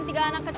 cilok kamu bed